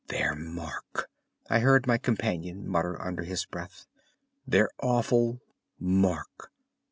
"Their mark!" I heard my companion mutter under his breath. "Their awful mark!"